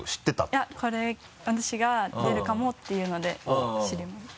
いや私が出るかもっていうので知りました。